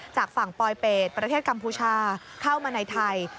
จากฝั่งปลอยเป็ดประเทศกัมพูชาเข้ามาในไทย